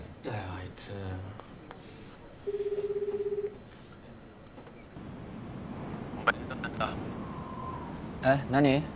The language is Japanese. あいつえっ何？